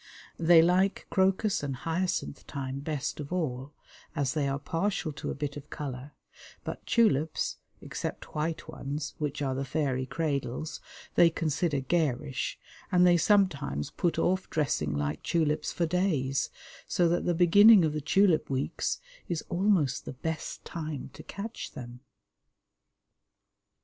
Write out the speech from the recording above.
They like crocus and hyacinth time best of all, as they are partial to a bit of colour, but tulips (except white ones, which are the fairy cradles) they consider garish, and they sometimes put off dressing like tulips for days, so that the beginning of the tulip weeks is almost the best time to catch them.